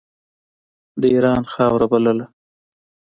د اېران خاوره بلله.